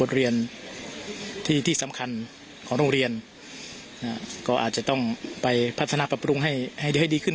เรียนที่ที่สำคัญของโรงเรียนก็อาจจะต้องไปพัฒนาปรับปรุงให้ดีขึ้น